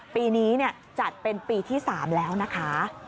ปีนี้จัดเป็นปีที่๓แล้วนะคะ